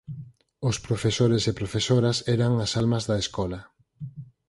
Os profesores e profesoras eran as almas da escola.